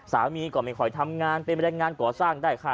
สามีก็ไม่ค่อยทำงานเป็นบรรยายงานก่อสร้างได้ค่ะ